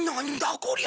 こりゃ。